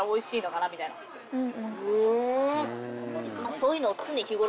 ・そういうのを。